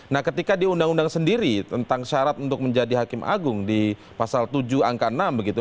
nah ketika di undang undang sendiri tentang syarat untuk menjadi hakim agung di pasal tujuh angka enam begitu